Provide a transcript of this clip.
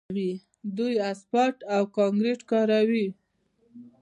دوی اسفالټ او کانکریټ کاروي.